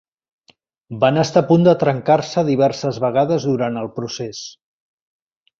Van estar a punt de trencar-se diverses vegades durant el procés.